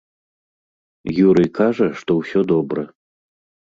Юрый кажа, што ўсё добра.